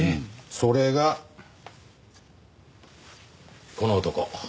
それがこの男。